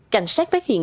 cảnh sát phát hiện